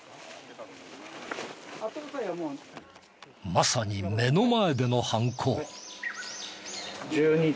まさに目の前での犯行。